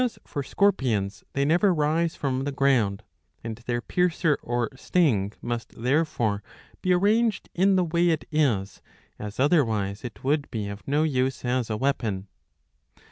As for scorpions, they never rise from the ground, and their piercer or sting must therefore be arranged in the way it is, as otherwise it would be of no use as a weapon.